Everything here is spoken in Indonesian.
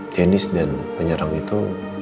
dennis dan penyerang itu